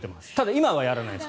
今はやらないです。